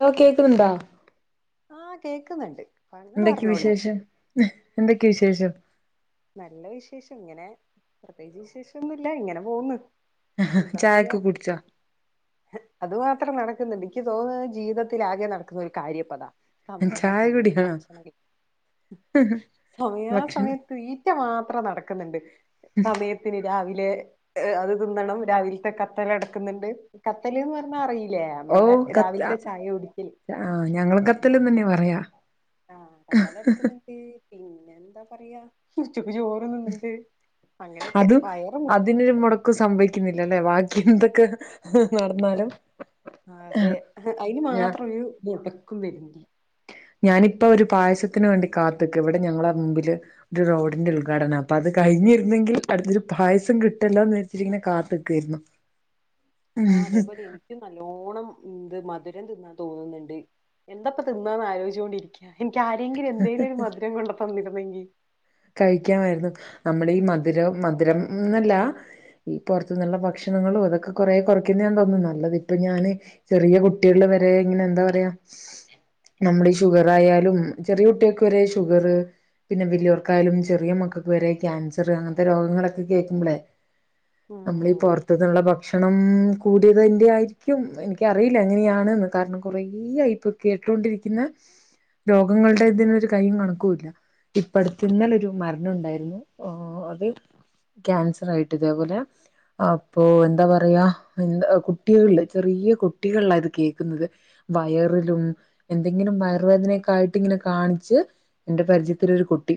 Law കേൾക്കന്താ ആ കേക്കുന്നുണ്ട്. താങ്കൾ എന്തൊക്കെയ പറഞ്ഞോളി വിശേഷം. എന്തൊക്കെയ വിശേഷം. നല്ല വിശേഷം ഇങ്ങനെ പ്രത്യേകിച്ച് വിശേഷന്നുമില്ല ഇങ്ങനെ പോകന്ന് എന്താ അയോ ചായൊക്കെ കുടിച്ചോ അത് മാത്രം നടക്ക ന്നുണ്ട് എനിക്ക് തോന്നുന്നത് ജീവിതത്തിലാകെ നടക്കുന്ന ഒരു കാരും അതാ. സമയ ചായ സമയം കുടിയാണോ ഭക്ഷണം കഴിക്കാ സമയ സമയ ഭക്ഷണം തീറ്റ മാത്രം നടക്കുന്നുണ്ട് സമയത്തിന്. രാ രാവിലെ അത് തിന്നണം രാവിലത്തെ കത്തൽടക്കുന്നുണ്ട്. കത്തൽന്ന് പറഞ്ഞാ അറയി ഓ ക ആ ഞങ്ങളും കത്തല്ല് തന്നെ പറയാ. ആ കർത്താലെടുക്കുന്ന്ണ്ട് പിന്നെന്താ പറയാ ഉച്ചക്ക് ചോറ് തിന്നുന്നുണ്ട് അങ്ങനെയൊക്കെ അത് വയറ് അതിനൊര് മുടക്കു സംഭയ്ക്കിന്നില്ലല്ലെ വാ എന്തൊക്ക അതെ അയിന് ഞാ മാത്രൊരു മൊടക്കും വര്ന്നില്ല. ഞാനിപ്പൊരു പായസത്തിന് വേണ്ടി കാത്ത്ക്ക ഇവിടെ ഞങ്ങളമ്പില് ഒരു റോഡിന്റെ ഉദ്ഘാടന അപ്പൊ അത് കഴിഞ്ഞിരുന്നെങ്കിൽ അടുത്തൊരു പായസം കിട്ടില്ല എന്ന് വരിച്ചിട്ടിങ്ങനെ കാത്ത്ക്കായിരുന്നു ആ അതേപോലെ എനിക്ക് നല്ലോണ്ണം ന്ത് മ ധുരം തിന്നാൻ തോന്നുന്നുണ്ട് എന്താപ്പൊ തിന്നാന്ന് ആലോയിച്ചോണ്ടിരിക്ക്യ എനിക്ക് ആരെങ്കിലു എന്തേലൊരു മധുരം കൊണ്ട് തന്നിരുന്നെങ്കിൽ കഴിക്കാമായിരുന്നു നമ്മളീ മധുരം മധുരംന്നല്ല ഈ പൊറത്തുന്നുള്ള ഭക്ഷണങ്ങളും അതൊക്കെ കൊറേ കുറയ്ക്കുന്നാ തോന്നുന്നു നല്ലത് ഇപ്പൊ ഞാന് ചെറിയ കുട്ടികൾടെ വരെ ഇങ്ങനെ എന്താ പറയാ നമ്മുടെ ഈ ഷുഗറായാലും ചെറിയ കുട്ട്യേക്ക് വരെ ഷുഗറ് പിന്നെ വല്യോർ ക്കായാലും ചെറിയ മക്കൾക്ക് വരെ ക്യാൻസറ് അങ്ങനത്തെ രോഗങ്ങളൊക്കെ കേൾക്കുമ്പോളേ നമ്മളീ ഉം പൊറ് ത്ത്ന്നുള്ള ഭക്ഷണം കൂടേതിൻ്റായ്ര്ക്കും ഇനിക്കറിയില്ല എങ്ങനെയാണ്ന്ന് കാരണം കുറേ ആയിപ്പൊ കേട്ടൊണ്ടിരിക്ക്ന്നെ രോഗങ്ങളുടെതിനൊര് കയ്യും കണക്കൂല്ല ഇപ്പടു ത്തിന്നലൊരു മരണൊണ്ടായിരുന്നു അത് ക്യാൻസറായിട്ട് ഇതേപോലെ അപ്പൊ എന്താ പറയാ എ കുട്ടികളില് ചെറി യ കുട്ടികളില ഇത് കേൾക്കുന്നത് വയറിലും എന്തെങ്കിലും വയറുവേദനക്കായിട്ടിങ്ങനെ കാ ണിച്ച് എന്റെ പരിചയത്തിലൊരു കു ട്ടി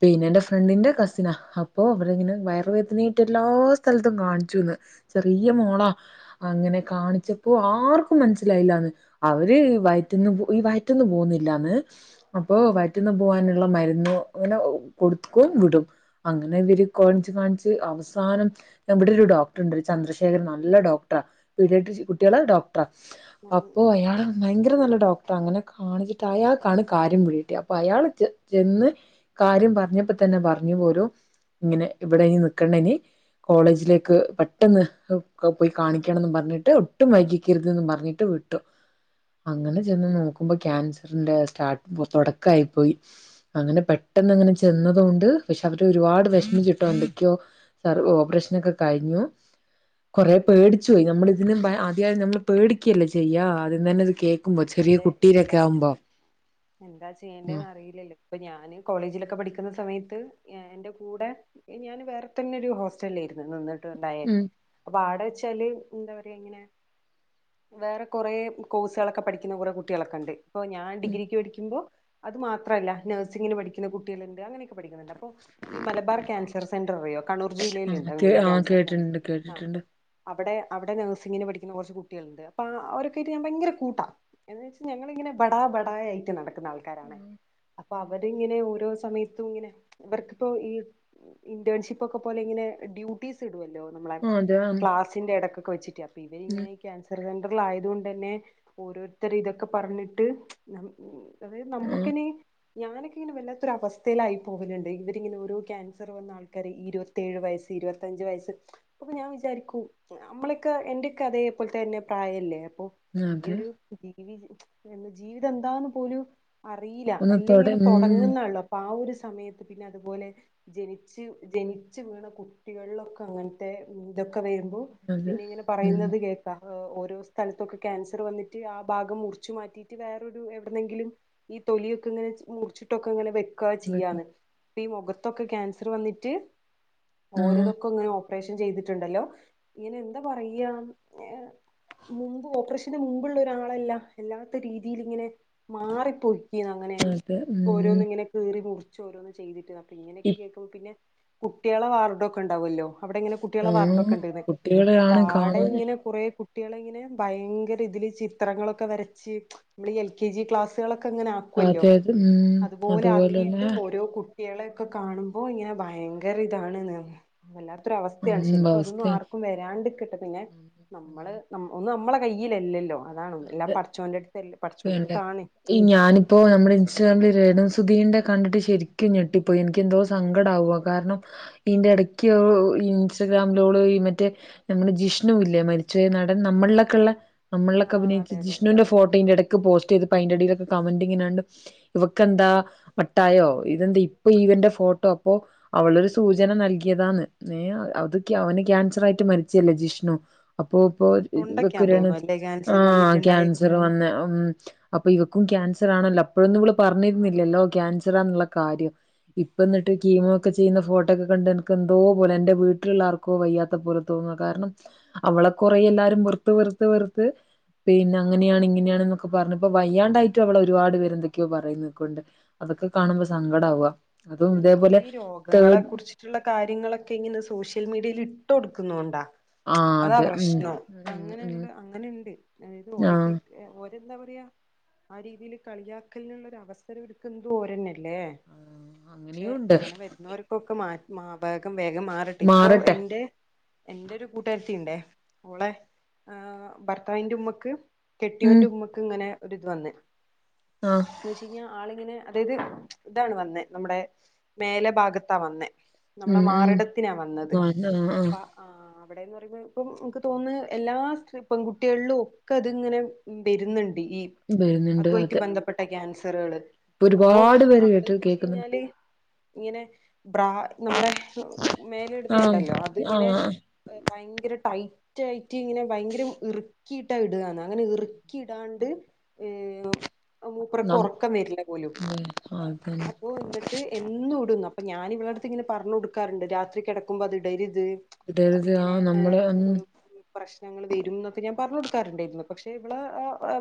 പിന്നെന്റെ ഫ്രണ്ടിന്റെ കസിനാ അപ്പൊ അവരിങ്ങനെ വയറ വേദനായീട്ട്ല്ലാ സ്ഥലത്തും കാണിച്ചുന്ന് ചെറിയ മോളാ അങ്ങനെ കാണിച്ചപ്പോ ആർക്കും മനസ്സിലായില്ല അവര് വയറ്റുന്ന് ഈ വയറ്റന്ന് പോവുന്നില്ലാന്ന് അപ്പൊ ഉം വയറ്റ്ന്ന പോവാനുള്ള മരുന്നു അങ്ങനെ കൊടുക്കും വിടും അങ്ങനെ ഇവര് കാണ്ച്ച് കാണിച്ച് അവസാനം ന്നെ ഇവിടൊരു ഡോക്ടറ്ണ്ട് ഒര് ചന്ദ്രശേഖരൻ നല്ല ഡോക്ടറാ പീടിയാട്രിശ് കുട്ട്യേളെ ഡോക് ട്റാ ഉം ഉം അപ്പോ ഉം അയാള് ഭയങ്കര നല്ല ഡോക്ട്റാ അങ്ങനെ കാണിച്ചിട്ടയാക്കാണ് കാര്യം പിടികിട്ട്യെ അപ്പൊ അയാള് ചെ ചെന്ന് കാര്യം പറഞ്ഞപ്പോ തന്നെ പറഞ്ഞു പോലും ഇങ്ങനെ ഇവിടെ ഇനി നിക്കണ്ടിനി കോളേജിലേക്ക് പെട്ടെന്ന് പോയി കാണിക്കണംന്ന് പറഞ്ഞിട്ട് ഒട്ടും വൈകിക്കരുതന്ന് പറഞ്ഞിട്ട് വിട്ടു അങ്ങനെ ചെന്ന് നോക്കുമ്പോ ക്യാൻസറ്ന്റെ സ്റ്റാർട്ട്പ്പൊ തുടക്കായി പോയി അങ്ങനെ പെ ട്ടന്നങ്ങനെ ചെന്നതൊണ്ട് പക്ഷെ അവര് ഒരുപാട് വിഷമിച്ചിട്ടോ എന്തൊക്കോ സർ ഓപ്പ്റേഷനൊക്കെ കഴിഞ്ഞു [unintelligible] കുറെ പേടിച്ചു പോയി ഞമ്മള് ഇതിനും ആദ്യം നമ്മള് പേടിക്കല്ലേ ചെയ്യ അതീതന്നെ ഇത് കേ അതെ എന്താ എന്താ ഉം ചെയ്യേണ്ടെന്ന് അറിയില്ലല്ലോ ഇപ്പൊ ഞാന് കോളേജിലൊ ക്കെ പഠിക്കുന്ന സമയത്ത് എന്റെ കൂടെ ഞാൻ വേറെ തന്നെ ഒരു ഹോസ്റ്റലേയിര്ന്ന് നിന്നി ട്ടുണ്ടായെ ഉം അപ്പൊവ്ടെ വെ ച്ചാല് എന്താ പറയാ ഇങ്ങനെ വേറെ കൊറേ കോഴ്സേളൊക്കെ പഠി ക്കുന്ന കൊറെ കുട്ട്യേളൊക്കേണ്ട് ഇപ്പൊ ഞാൻ ഉം ഡിഗ്രിക്ക് പഠിക്കുമ്പൊ അത് മാത്രല്ല നഴ്സിങ്ങിന് പഠിക്കുന്ന കുട്ട്യേളുണ്ട് അങ്ങനൊ ക്കെ പഠിക്കുന്നുണ്ട് അപ്പൊ ഈ മലബാർ ക്യാൻസർ സെന്റർ അറിയോ കണ്ണൂർ ആ ജില്ലയിലുണ്ട് കേ അത്പോലെ ആ ക്യാൻസർ സെന്റർ കേട്ടിട്ടുണ്ട് ആ കേട്ടിട്ടുണ്ട് അവടെ അവിടെ നഴ്സിങ്ങിന് പഠിക്കുന്ന കുറച്ച് കുട്ട്യേലുണ്ട് അപ്പൊ അവരൊക്കായിട്ട് ഞാൻ ഭയങ്കര കൂട്ടാ എന്ന് വെച്ച ഞങ്ങളിങ്ങനെ ബടാ ബടാ ആയിട്ട് നടക്കുന്ന ആൾക്കാരാണ് അപ്പൊ അവടിങ്ങനെ ഓരോ സമയത്തു ഇങ്ങനെ ഇവർക്കിപ്പോ ഈ ഇന്റേൻഷിപ്പൊക്കെ പോലിങ്ങനെ ഡ്യൂട്ടീസിടു വെല്ലൊ നമ്മളെ ആ അതെ ക്ലാസ്സിന്റെടക്കൊക്കെ വെച്ചിട്ട് അപ്പൊ ഉം ഇവരിങ്ങനെ ഈ ക്യാൻസർ സെന്ററിലായതോണ്ടെന്നെ ഓരോരുത്തരു ഇതൊക്കെ പറഞ്ഞിട്ട് നമ് അത് ഉം നമ്മക്കിനി ഞാനൊക്കെ ഇങ്ങനെ വല്ലാത്തൊരവസ്ഥയിലായി പോകലുണ്ട് ഇവരിങ്ങനെ ഓരോ ക്യാൻസറ് വന്നാൾക്കാര് ഇരുവത്തേഴ് വയസ്സി ഇരുപത്തഞ്ച് വയസ്സ് അപ്പൊ ഞാൻ വിചാരിക്കൂ നമ്മളൊക്കെ എന്റൊക്കെ അതേപലെ തന്നെ പ്രായമല്ലേ അപ്പൊ അത് ഈയൊരു ജീവി മ് ച് ജീവിതം എന്താന്ന് പോലും അറിയില്ല ഒന്ന് അല്ലെ തൊട ഇങ്ങനെ ഉം തുടങ്ങുന്നാണല്ലോ അപ്പൊ ആ ഒരു സമയത്ത് പിന്നെ അതുപോലെ ജനിച്ച് ജനിച്ചു വീണ കുട്ടികളിലൊക്കെ അങ്ങനത്തെത് ക്ക്‌ വെരുമ്പോ അത് പിന്നെ ഇങ്ങനെ ഉം പറയുന്നത് കേൾക്ക ഓരോ സ്ഥലത്തൊക്കെ ക്യാൻസർ വന്നിട്ട് ആ ഭാഗം മുറിച്ചു മാറ്റിട്ട് വേറൊരു എവിടുന്നെങ്കിലും ഈ തൊലിയൊക്കെ ഇങ്ങനെ മുറിച്ചിട്ടൊക്കെ ഇങ്ങനെ വെ ക്കാ ചെയ്യാന്ന് ഇപ്പ ഈ മുഖത്തൊക്കെ ക്യാൻസർ വന്നിട്ട് ആഹ് ഓരോതൊക്കെ ഇങ്ങനെ ഒ ഓപ്പറേഷൻ ചെയ്തിട്ടുണ്ടല്ലോ ഇങ്ങനെ എന്താ പറയാ ഏർ മുമ്പ് ഓപ്പറേഷന് മുമ്പുള്ള ഒരാളല്ല എല്ലാത്ത രീതിൽ ഇങ്ങനെ മാറി പോയി ക്ക്‌ അങ്ങനെ അതെ ഉം ഓരോന്ന് ഇങ്ങനെ കീറി മുറിച്ച് ഓരോന്ന് ചെയ്തിട്ട പ്പിങ്ങനൊക്കെ കേൾക്കുമ്പോ പിന്നെ കുട്ടികളെ വാർഡ് ഒക്കെ ഉണ്ടാവല്ലോ അവിടെ ഇങ്ങനെ കുട്ടികളെ വാർഡ് ഒക്കെ ആഹ് ഉണ്ടായിരന്ന് അപ്പൊ കുട്ടികളെയാണ് ആടെ കാണാന് ഇങ്ങനെ കുറേ കു കുട്ടികളിങ്ങനെ ഭയങ്കര ഇതിൽ ചിത്രങ്ങളൊക്കെ വരച്ച് നമ്മൾ ഈ എൽ കെ ജി ക്ലാസ്സുകളൊ ക്കങ്ങനെ ആക്കുവല്ലോ അതെ അതെ ഉം അതുപോലെ ആക്കിയിട്ട് അതുപോലെന്നെ ഓരോ കുട്ടി ട്ടികളെക്കെ കാണുമ്പോ ഇങ്ങനെ ഭയങ്കര ഇതാണ്ന്ന് വല്ലാ തൊരു ഉം അവസ്ഥയാണ് ശരിക്കും അതൊന്നും അവസ്ഥയാണ് ആർക്കും വരാണ്ട് ഇക്കട്ടെ പിന്നെ നമ്മള് ഒന്ന് നമ്മള് കയ്യിലല്ലല്ലോ അതാണ് എല്ലാം അതെ പടച്ചോന്റെ അടുത്ത് പടച്ചോന്റെ ണ്ടേ അടുത്താണ് ഈ ഞാനിപ്പോ നമ്മുടെ ഇൻസ്റ്റാഗ്രാമിൽ രേണു സ് സുധീന്റെ കണ്ടിട്ട് ശരിക്കും ഞെട്ടിപ്പോയി എനിക്ക് എന്തോ സങ്കടംആവുവാ കാരണം ഇന്റെ ഇടക്ക് അവള് ഓ ഇൻസ്റ്റാഗ്രാം ലോള് ഈ മറ്റേ നമ്മുടെ ജിഷ്ണു ഇല്ല മരിച്ച പോയ നടൻ നമ്മളിലൊക്കെെയുള്ള നമ്മ ആ ക്കേ അഭിനയിച്ച അതെ അതെ ജിഷ്ണുന്റെ അതെ അതെ ഫോട്ടോ ഇന്റെടക്ക് പോസ്റ്റ് പ്പായിന്റെ അടിയിലൊക്കെ കമന്റിങ്ങണ്ട് ഇവക്കെന്താ വട്ടായോ ഇതെന്താ ഇപ്പ ഇവന്റെ ഫോ ട്ടോ അപ്പോ അവളൊരു സൂചന നൽകിയതാന്ന് അത് അവന് ക്യാൻസർ ആയിട്ട് മരിച്ചല്ലേ ജി ഷ്ണു അപ്പ ഇപ്പോ ഇവക്ക്‌ തൊണ്ടയ്ക്കാൻ രേണു തോന്നും അല്ലേ ആ ക്യാൻസർ വന്നിട്ടുണ്ടായ ക്യാൻസർ വന്ന് അപ്പൊ ഇവക്കും ക്യാൻസറാണല്ലോ അപ്പോഴൊന്നും ഇവിള് പറഞ്ഞിരുന്നില്ലല്ലോ ക്യാൻസറാന്നുള്ള കാര്യം ഇപ്പ എന്നിട്ട് കീമൊക്കെ ചെയ്യുന്ന ഫോട്ടോക്കെ കണ്ട് എനക്ക് എന്തോ പോലെ എന്റെ വീട്ടിലുള്ളാർക്കോ വയ്യാത്ത പോലത്തോ വാ കാരണം അവളെ കൊറ എല്ലാരും വെറത്ത് വെറുത്ത് വെറുത്ത് പിന്നെ അങ്ങനെയാണ് ഇങ്ങനെയാണ് എന്നൊക്കെ പറഞ്ഞു ഇപ്പ വയ്യാണ്ടായിട്ട് അവളെ ഒരുപാട് പേര് എന്തൊക്കെയോ പറയുന്നക്കൊണ്ട് അത് അതൊക്കെ കാണുമ്പോ സങ്കടം ആവുക പിന്നെ ഒന്നാമത് ഈ രോഗങ്ങളെ കുറിച്ചട്ടുള്ള കാര്യങ്ങളൊക്കെ ഇങ്ങനെ സോഷ്യൽ മീഡിയായിലി ട്ട് കൊടുക്കുന്ന കൊണ്ടാ മ് ആ ച്ച് അതാ അതെ ഉം പ്രശ്നം ഉം ഉം അങ്ങനെയുണ്ട് അങ്ങനെയുണ്ട് അതായത് ആ ഓര്ക്കൊക്കെ എന്താ പറയാ ആ രീതിയില് കളിയാക്കലിനുള്ള ഒരു അവസരം എട്ക്കുന്ന ഓരന്നല്ലേ ആ, പക്ഷെ അങ്ങനെയും ഉണ്ട് അങ്ങനെ വരുന്നവർക്കൊക്കെ മാ മാ വേഗം വേഗം മാറിട്ടെ ഇപ്പൊ മാറട്ടെ എന്റെ എന്റെ ഒരു കൂട്ടുകാരത്തിണ്ടേ ഓളെ ആ ഭർത്താവിന്റെ ഉമ്മക്ക് ഉം കെട്ടിയോന്റെ ഉമ്മക്ക് ഇങ്ങനെ ഒര് ഇത് വന്ന്ന് ആ എന്ന് വെച്ച കഴിഞ്ഞാൽ ആളിങ്ങനെ അതായത് ഇതാണ് വന്നേ നമ്മുടെ മേലെ ഭാഗത്താ വന്നേ നമ്മളെ ഉം ഉം മാറിടത്തിനാ വന്നത്. ആ ആ അപ്പ ആ അവിടെന്ന് പറയുമ്പോ ഇപ്പ നമുക്ക് തോന്നുന്നു എല്ലാ സ്ത്രീ പെൺകുട്ടികളിലും ഒക്കെത് ഇങ്ങനെ വരുന്നുണ്ട്. ഈ അതുആയിട്ട് ബന്ധപ്പെട്ട ക്യാൻസറുകള് ഇത് ഒരുപാട് പേര് കേട്ടി കേ ഴിഞ്ഞാല് ഇങ്ങനെ ബ്രാ നമ്മുടെ മേലെ ആഹ് ഇടുന്നണ്ടല്ലോ അതിങ്ങനെ ആഹ് ഭയങ്കര ടൈറ്റായിട്ട് ഇങ്ങനെ ഭയങ്കര ഇറക്കിയിട്ടാ ഇട അങ്ങനെ ഇറക്കിയിടാണ്ട് [inaudible] മൂപ്പർക്ക് നം ഒറക്കം വരില്ല പോലും. അതന്നെ ആ പ്പോ എന്നിട്ട് എന്നും ഇടൂന്നു. അപ്പൊ ഞാൻ ഇവളടുത്ത് ഇങ്ങനെ പറഞ്ഞു കൊടുക്കാറ്ണ്ട് രാത്രി കെടക്കുമ്പോ അത് ഇടര് ത് ഇടരുത് ആ അതിങ്ങനെ ഏ നമ്മളെ ഉം പ്രശ്നങ്ങൾ വെരുംന്നൊക്കെ ഞാൻ പറഞ്ഞ് കൊടുക്ക് ക്കാറുണ്ടായിരുന്നു. പക്ഷെ ഇവള്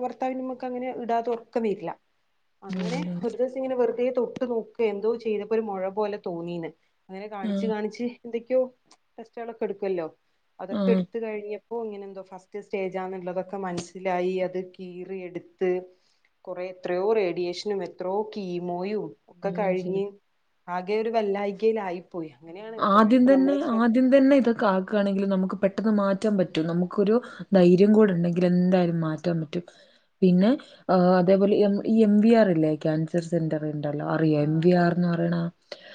ഭർത്താവിന് മ്മക്ക് അങ്ങനെ ഇടാതെ ഒറക്കം വരില്ല്യാ. അങ്ങനെ ഒരു ദിവസം ഇങ്ങനെ വെറുതെ തൊട്ട് നോക്കെ എന്തോ ചെയ്തപ്പോ ഒരു മൊഴ പോലെ തോന്നീന്ന്. അങ്ങനെ കാണിച്ച്, ആഹ് കാണിച്ച്, എന്തൊക്കെയോ ടെസ്റ്റളോക്കെ എടുക്കുല്ലോ. അതൊക്കെ എടുത്ത കഴിഞ് ഇപ്പൊ ഇങ്ങനെ എന്തോ ഫസ്റ്റ് സ്റ്റേജാന്നുള്ളതൊക്കെ മനസ്സിലായി. അത് കീറിയെടുത്ത് കുറെ എത്രയോ റേഡിയേഷനും, എത്രയോ കീമോയും ഒക്കെ ആഹ് കഴിഞ്ഞ് ആകെ ഒരു വെല്ലായികയിലായി. ആദ്യം തന്നെ, ആദ്യം തന്നെ, ഇതൊക്കെ ആക്കണെങ്കിൽ നമുക്ക് പെട്ടെന്ന് മാറ്റാൻ പറ്റും. നമുക്കൊരു ധൈര്യം കൂടെ ഉണ്ടെങ്കിൽ എന്തായാലും മാറ്റാൻ പറ്റും. പിന്നെ ആ അതേപോലെ എ ഈ എം വി ആർല്ലേ ക്യാൻസർ സെന്റർ ണ്ടല്ലോ അറിയോ ആ എം വി അതെ ആറെന്നുറയണ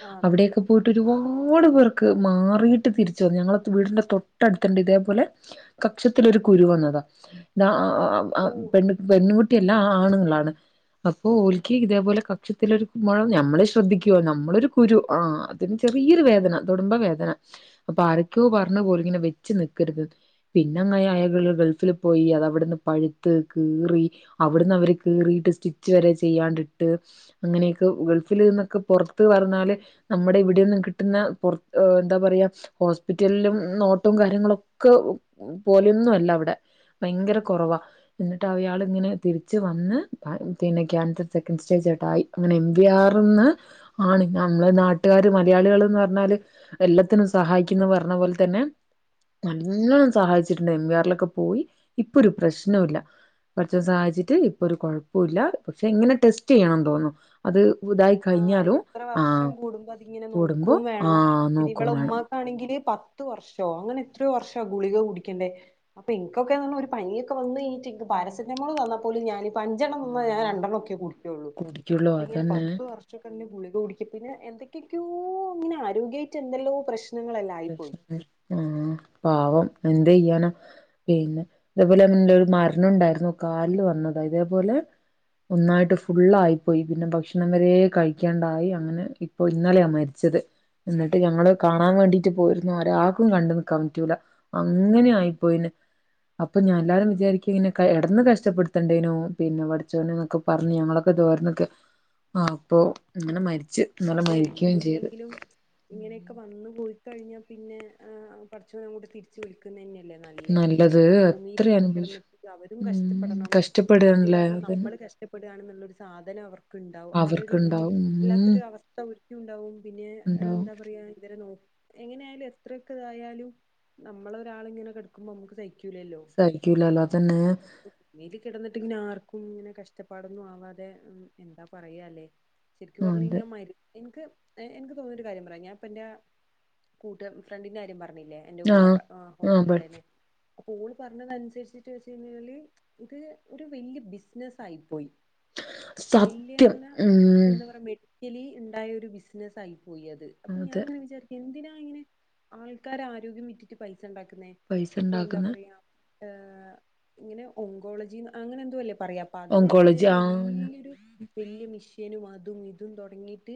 ആ അതെ അതെ അവിടെക്ക പോ ഒരുപാട് പേർക്ക് മാറിട്ട് തിരിച്ചുന്നു ഞങ്ങള വീടിന്റെ തൊട്ടടുത്തണ്ട് ഇതേപോലെ കക്ഷ രു കുരു വന്നതാ. ഓ പെണ് പെണ്കുട്ടിയെല്ലാ ആണുങ്ങളാണ്. അപ്പൊ ഓൽക്കി ഇതേപോലെ കക്ഷത്തിലൊരു മുഴം, ഞമ്മള് ശ്രദ്ധിക്കുവൊ നമ്മളൊരു കുരു, ആ െ ചെറിയൊരു വേദന തൊടുുംബ വേദന അപ്പൊ ആരക്കോ പറഞ്ഞ പോലും ഇങ്ങനെ വെച്ച് നക്കരുത് പിന്നെ അങ്ങെ അയകള് ഗൾഫിൽ പോയി, അത് അവിടുന്ന് പഴുത്ത്, കീറി, അവിടുന്ന് അവര് കീറി ട്ട് സ്റ്റിച് വരെ ചെയ്യാണ്ടിട്ട്, അങനെക്കെ ഗൾഫിലിന്നക്കെ പോർത്ത്, പറഞ്ഞാല് നമ്മട, ഇവിടെ ടെന്നുംകിട്ടുന്ന പോർ എന്താപറയാ ഹോസ്പിറ്റലിലും നോട്ടോ കാര്യങ്ങളോക്ക പോലെയൊന്നും അല്ല അവിടെ ഭയങ്കര കൊറവാ എന്നിട്ട് അയാളിങ്ങനെ തിരിച്ച് വന്ന് ന്നെ കൻസർ സെക്കൻ് സ്റ്റേജട്ടായി. അങ്ങനെ എം വി ആർന്ന് ആണ് നമ്മളെ നാട്ടുകാര് മലയാളികളെന്ന് പറഞ്ഞാല് എല്ലത്തിനും സഹായിക്കുന്ന് പറഞ്ഞ പോലെ തന്നെ നല്ലണം സഹായിച്ചിട്ടുണ്ട്. എം വി ആറിലൊക്കെ പോയി ഇപ്പൊ ഒരു പ്രശ്നോം ഇല്ല. പടച്ചോൻ സഹായിച്ചിട്ട് ഇപ്പൊ ഒരു കുഴപ്പൊല്ല. പക്ഷെ ഇങ്ങനെ ടെസ്റ്റ് ചെയ്യണം തോന്നുന്നു. അത് ഇതായി ആഹ് കഴിഞ്ഞാലും ഒരിത്ര വർഷം ആഹ് കൂടുമ്പോ അതിങ്ങനെ കൂടുമ്പോ നോക്കും വേണം ആഹ് ഇനി നോക്കും ഇവടെ വേണം ഉമ്മാക്കാണെങ്കില് പത്ത് വർഷോ അങ്ങനെ എത്രയോ വർഷ ഗുളിക കുടിക്കേണ്ടേ. അപ്പൊ എനിക്കൊക്കെന്ന്റഞ്ഞാ ഒരു പനിയൊക്കെ വന്ന് കഴിഞ്ഞിട്ട് പ പാരസെറ്റമോള് തന്ന പോലും ഞാന് പഞ്ചെണ്ണംന്ന ഞാൻ ആഹ് രണ്ടെണ്ണം ഒക്കെ കുടിക്കൊള്ളു. കുടിക്കുള്ളൂ അപ്പ ഇങ്ങനെ അതന്നെ പത്ത് വർഷൊക്കെന്നെ ഗുളിക കുടി പിന്നെ എന്തൊക്കെയൊക്കെയോ ഇങ്ങനെ ആരോഗ്യയിട്ട് എന്തെല്ലോ പ്രശ്നം ണ്ട്, ണ്ട് ആ പാവം. എന്ത്യെയ്യാന പിന്നെ ഇതേപോലെ ഒരു മരണം ഉണ്ടായിരുന്നു. കാലിൽ വന്നത ഇതേപോലെ ഇഹ് ഒന്നായിട്ട് ഫുള്ളായി പോയി. പിന്നെ ഭക്ഷണം വരെ കഴിക്കാണ്ടായി. അങ്ങനെ ഇപ്പൊ ഇന്നലെയാ മരിച്ചത്. എന്നിട്ട് ഞങ്ങള് കാണാൻ വേണ്ടി പോയിരുന്നു. ഒരാക്കും കണ്ട് നിക്കാൻ പറ്റൂല. അങ്ങനെ ആയി പോയിന്. അപ്പൊ ഞാൻല്ലാവരും വിചാരിക്ക ഇങ്ങനെ ഇടന്ന് കഷ്ടപ്പെടുത്തണ്ടേനോ പിന്നെ പഠിച്ചോനെന്നൊക്കെ പറഞ്ഞ് ഞങ്ങളൊക്കെ ദുആരന്നുക്ക്. അപ്പൊ ഇങ്ങന മരി അതെ ഒന്നുല്ലങ്കിലും ഇങ്ങനെക്കെ വന്നു പോയി കഴിഞ്ഞാ പിന്നെ ആ പടച്ചോനങ്ങോട്ട് തിരിച്ച് വിളിക്കുന്നന്നെയാ ല്ലേ നല്ലേ നല്ലത് കാരണം എത്ര ഭൂമിലിങ്ങനെ അനുഭവിച്ചു കെടന്നിട്ടവരും ഉം കഷ്ടപ്പെടണം അവര് കഷ്ടപ്പെടാണല്ലേ കാരണം അതന്നെ നമ്മ കഷ്ടപ്പെടുണന്നുള്ളരു സാധനം അവർക്ക്ണ്ടാവും അങ്ങനെ ഒരു അവർക്കുണ്ടാവും ഉം ഒരു അവസ്ഥ ഒരിക്കണ്ടാവും പിന്നെ ഉണ്ടാവും എന്താ പറയാ ഇവരെ നോ എങ്ങനെ ആയാലും എത്രയൊക്കെ ഇതായാലും നമ്മള ഒരാള്ങ്ങനെ കെടക്കുമ്പോ നമുക്ക് സയി ക്കൂലല്ലോ സഹിക്കൂലല്ലോ അതന്നെ ഇപ്പില് കെടന്നിട്ടിങ്ങന ആർ ക്കുംങ്ങനെ കഷ്ടപ്പാടൊന്നും ആവാതെ എന്താ പറയാല്ലേ ശരിക്കു പറഞ്ഞ് അതെ കഴിഞ്ഞാൽ മ എന്ക്ക് എന്ക്ക് തോന്നുന്ന ഒരു കാര്യം പറയാം ഞാൻ ഇപ്പന്റെ കൂട്ട് ഫ്രണ്ടിന്റെ കാര്യം പറ ഞ്ഞില്ലേ എന്റെ ആ കൂടെ പ ആ ബട്ട് ഹോസ്റ്റല്ണ്ടായ്ന്നെ അപ്പൊ ഓള് പറഞ്ഞതനുസരിച്ചിട്ട് വെ ഞ്ഞാല് ഇത് ഒരു വെല്യ ബിസിനസ്സായിപ്പോ സത്യം ഉം ലി ണ്ടായ ഒരു ബിസിനസ് ആയിപ്പോയിയത് അപ്പൊ അതെ ഞാങ്ങനെ വിചാരിക്കും എന്തിനാ നാങ്ങനെ ആൾക്കാരെ ആരോഗ്യം വിറ്റിട്ട് പൈസണ്ടാക്കുന്നേ പൈസ ഇപ്പൊ എന്താ ഉണ്ടാക്കുന്ന പറയാ ആ ഇങ്ങനെ ഓങ്കോളജി അങ്ങനെ എന്തല്ലേ പറയാ അപ്പ അത് വെച്ചിട്ട് ഓങ്കോളജി തന്നെ ആഹ് വെല്യൊരു വെല്യ മിഷ്യനും അ ഇതും ഇതും തൊടങ്ങിട്ട്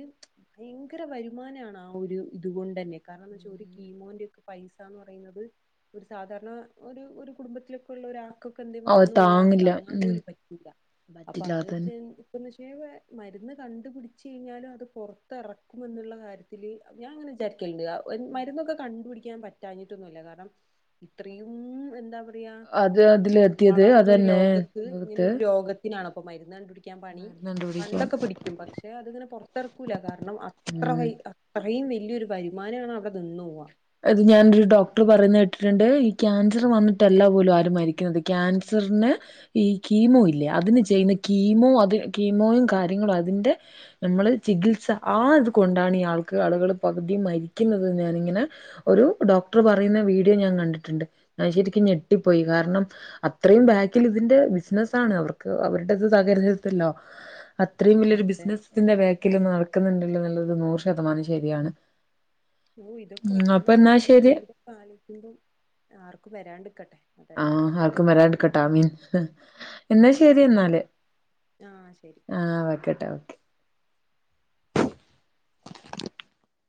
ഭയങ്കര വരുമാനാണ് ആ ഒരു ഇതുകൊണ്ട് തന്നെ കാരണംന്ന് വെച്ചാ ഒരു കീമോയും പൈസാന്ന് പറയുന്നത് ഒരു സാധാരണ ഒരു ഒരു കുടുംബത്തിലൊക്കെള്ള ഒ ക്കെ എന്തെ അവ വന്നോയാ അത് താങ്ങില്ല താങ്ങാൻ ഉം പോലും പറ്റൂല്ല അപ്പൊ പറ്റില്ല അത് അതന്നെ വെ ഇ [unintelligible] മരുന്ന് കണ്ടു പിടിച്ചയിഞ്ഞാലും അത് പൊറത്തെറക്കുമെന്നുള്ള കാര്യത്തില് ഞാങ്ങനെ വിചാരിക്കലുണ്ട് മരുന്നൊക്കെ കണ്ടുപിടിക്കാൻ പറ്റാഞ്ഞിട്ടൊന്നുവല്ല കാരണം ഇത്രയും എന്താ പറ അത് അതില വളർന്നൊരു ലോകത്ത് ഇങ്ങനെ ഒരു രോഗത്തിനാണ് അപ്പൊ മര്ന്ന് കണ്ടുപിടിക്കാ ക്കാൻ പണി. മരുന്ന് കണ്ടുപിടിക്കാൻ കണ്ടൊക്കെ പിടിക്കും പക്ഷെ അതിങ്ങനെ പൊറത്തിറക്കല്ല കാരണം അത്ര ഉം വയ് യും വെല്യൊരു വരുമാനാണ് അവിടെ നിന്ന് പോവാ അത് ഞാനൊരു ഡോക്ടർ പറയുന്ന കേട്ടിട്ടുണ്ട് ഈ ക്യാൻസർ വന്നിട്ടല്ല പോലും ആരും മരിക്കുന്നത് ക്യാൻസ റ്ന് ഈ കീമോ ഇല്ലേ അതിന് ചെയ്യുന്ന ഉം കീമോ അത് കീമോയും കാര്യ ങ്ങളു അതിന്റെ മ്മള് ചികിത്സ ആ ത് കൊണ്ടാണ് ഈ ആൾക്ക് ആളുകൾ പകുതീം മരിക്കുന്നത് ഞാനിങ്ങനെ ഒരു ഡോക്ടർ പറയുന്ന വീഡിയോ ഞാൻ കണ്ടിട്ടുണ്ട്. ഞാൻ ശരിക്കും ഞെട്ടിപ്പോയി കാരണം അത്ര യും ബാക്കിൽ ഇതിന്റെ ബിസിനസാണ്. അവർക്ക് അവരുടത് തകരരുതല്ലോ അത്രയും വലിയരു അതെ ബിസിനസിതിന്റെ ബാ ക്കില് നടക്കുന്നുണ്ടല്ലോന്നുള്ളത് നൂറ് ശതമാനം ശരിയാണ് ഓ ഇതൊക്കെ ഉം അപ്പൊ എന്നാ വന്നാൾക്കാരെ ശരി ജീവിതം പ്പാലോചിക്കുമ്പോ ആർക്കും വരാണ്ട്ക്കട്ടെ ആഹാർക്കും വരാണ്ട്ക്കട്ടെ ആമീൻ എന്നാ ഉം അതെ. ശരിന്നാല് ആ ശരി ആ വെക്കട്ടെ ഓക്കെ